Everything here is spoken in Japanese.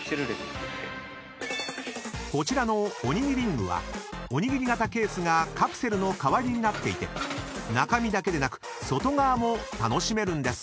具はおにぎり型ケースがカプセルの代わりになっていて中身だけでなく外側も楽しめるんです］